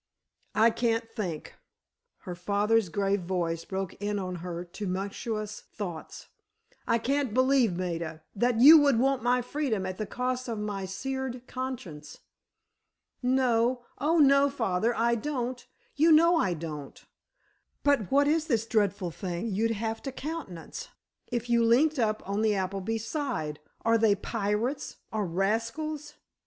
"I can't think," her father's grave voice broke in on her tumultuous thoughts. "I can't believe, Maida, that you would want my freedom at the cost of my seared conscience." "No, oh, no, father, I don't—you know I don't. But what is this dreadful thing you'd have to countenance if you linked up on the Appleby side? Are they pirates—or rascals?"